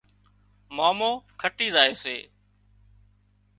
مامو کٽِي زائي سي